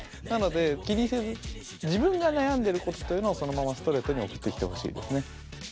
なので気にせず自分が悩んでることというのをそのままストレートに送ってきてほしいですね。